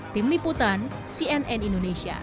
tim liputan cnn indonesia